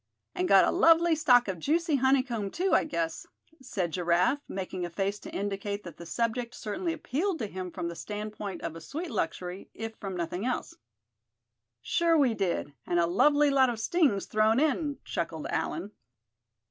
"And got a lovely stock of juicy honeycomb too, I guess?" said Giraffe, making a face to indicate that the subject certainly appealed to him from the standpoint of a sweet luxury, if from nothing else. "Sure we did; and a lovely lot of stings thrown in," chuckled Allan.